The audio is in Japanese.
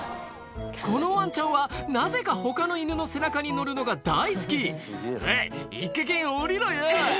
このワンちゃんはなぜか他の犬の背中に乗るのが大好き「おいいいかげん降りろよ」